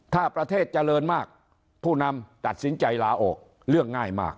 ถ้าประเทศเจริญมากผู้นำตัดสินใจลาออกเรื่องง่ายมาก